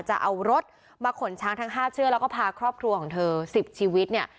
จะเอารถมาขนช้างทั้ง๕เชือกแล้วก็พาครอบครัวของเธอ๑๐ชีวิตเนี่ย